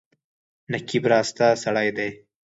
نقيب راسته سړی دی.